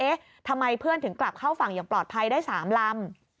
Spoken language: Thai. ทำไมเพื่อนถึงกลับเข้าฝั่งอย่างปลอดภัยได้๓ลำ